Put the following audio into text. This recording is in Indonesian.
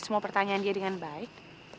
semua pertanyaan dia dengan baik